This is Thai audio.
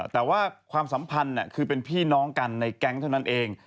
แต่ว่าความสัมพันธ์คือเป็นพี่น้องกันในแก๊งเท่านั้นเอง